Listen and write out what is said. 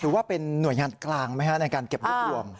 ถือว่าเป็นหน่วยงานกลางไหมฮะในการเก็บรวบรวม